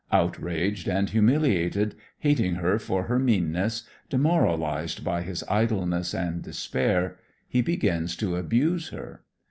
Outraged and humiliated, hating her for her meanness, demoralized by his idleness and despair, he begins to abuse her.